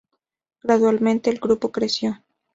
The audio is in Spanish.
Gradualmente, el grupo creció.